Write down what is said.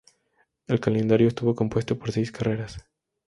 El calendario estuvo compuesto por seis carreras.